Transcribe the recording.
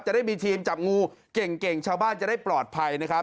ได้มีทีมจับงูเก่งชาวบ้านจะได้ปลอดภัยนะครับ